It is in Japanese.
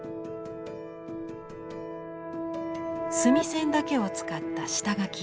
墨線だけを使った下描き。